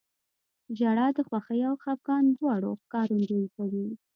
• ژړا د خوښۍ او خفګان دواړو ښکارندویي کوي.